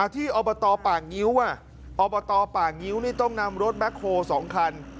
ที่อบตปากงิ้วอ่ะอบตปากงิ้วนี่ต้องนำรถแม็คโฮสองคัน